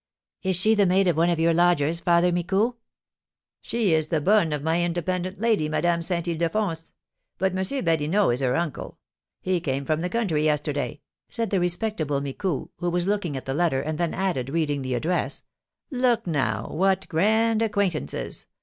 "Is she the maid of one of your lodgers, Father Micou?" "She is the bonne of my independent lady, Madame Saint Ildefonse. But M. Badinot is her uncle; he came from the country yesterday," said the respectable Micou, who was looking at the letter, and then added, reading the address, "Look, now, what grand acquaintances!